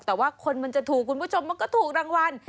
แต่ว่าคนมันจะถูกคุณผู้ชมมันก็ถูกรางวัล